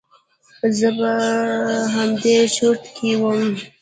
زه په همدې چورت کښې وم.